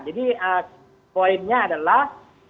jadi poinnya adalah